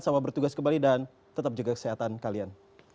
selamat bertugas kembali dan tetap jaga kesehatan kalian